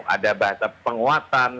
ada bahasa penguatan